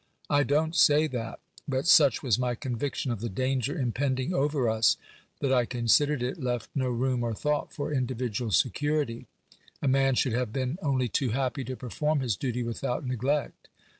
I don't say that: but such was my conviction of the danger impending over us, that I considered it left no room or thought for individual security ; a man should have been only too happy to perform his duty without neg lect.